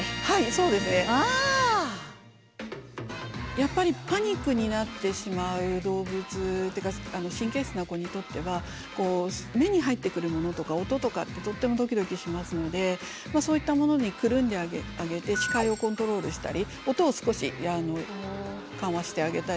やっぱりパニックになってしまう動物というか神経質な子にとっては目に入ってくるものとか音とかってとってもドキドキしますのでそういったものにくるんであげて視界をコントロールしたり音を少し緩和してあげたり。